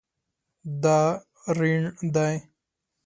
دا ریڼ دی